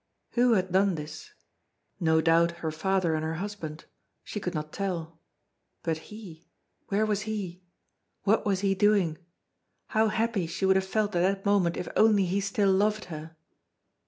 Who had done this? No doubt, her father and her husband. She could not tell. But he where was he? What was he doing? How happy she would have felt at that moment, if only he still loved her!